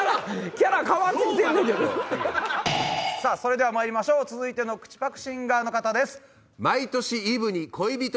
それではまいりましょう続いての口ぱくシンガーの方です。